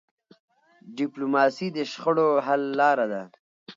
ډيپلوماسي د شخړو حل لاره ده.